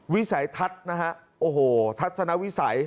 วิสัยทัศน์นะฮะทัศนะหวีใส